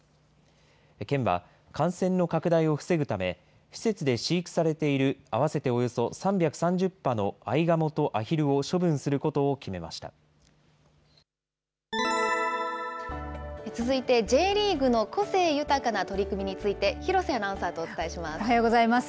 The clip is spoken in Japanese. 県は、感染の拡大を防ぐため、施設で飼育されている合わせておよそ３３０羽のアイガモとアヒル続いて、Ｊリーグの個性豊かな取り組みについて、廣瀬アナウンサーとお伝えします。